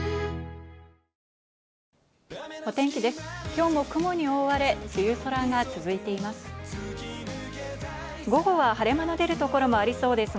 今日も雲に覆われ、梅雨空が続いています。